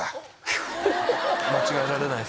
間違えられないですか？